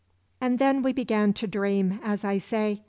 "And then we began to dream, as I say.